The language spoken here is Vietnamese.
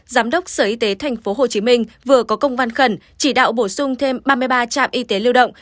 giám đốc sở y tế tp hcm vừa có công văn khẩn chỉ đạo bổ sung thêm ba mươi ba trạm y tế lưu động